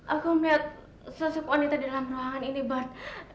aku melihat sosok wanita di dalam ruangan ini bar